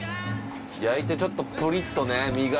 焼いてちょっとプリッとね身が。